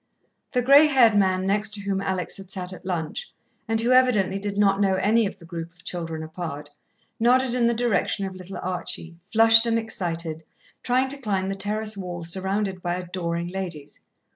The grey haired man next to whom Alex had sat at lunch, and who evidently did not know any of the group of children apart, nodded in the direction of little Archie, flushed and excited, trying to climb the terrace wall, surrounded by adoring ladies.